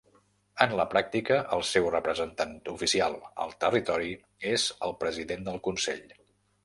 En la pràctica, el seu representant oficial al territori és el president del Consell.